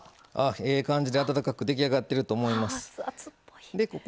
ええ感じで温かく出来上がっていると思います。